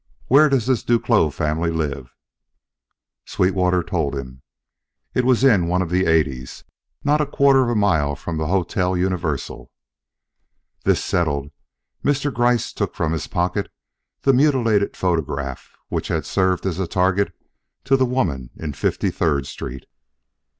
Where does this Duclos family live?" Sweetwater told him. It was in one of the Eighties, not a quarter of a mile from the Hotel Universal. This settled, Mr. Gryce took from his pocket the mutilated photograph which had served as a target to the woman in Fifty third Street.